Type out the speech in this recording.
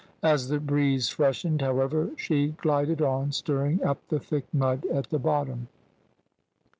As the breeze freshened, however, she glided on, stirring up the thick mud at the bottom.